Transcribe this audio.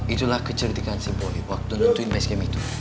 itulah kecerdekaan si boy waktu nuntuin basecamp itu